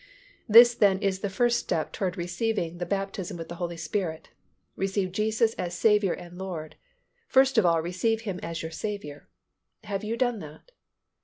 This then is the first step towards receiving the baptism with the Holy Spirit; receive Jesus as Saviour and Lord; first of all receive Him as your Saviour. Have you done that?